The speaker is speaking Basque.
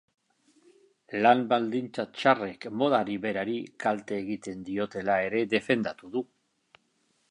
Lan baldintza txarrek modari berari kalte egiten diotela ere defendatu du.